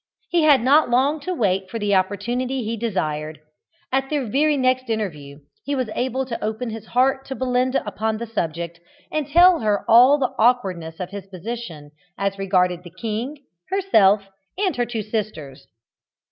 He had not long to wait for the opportunity he desired. At their very next interview he was able to open his heart to Belinda upon the subject, and to tell her all the awkwardness of his position as regarded the king, herself, and her two sisters.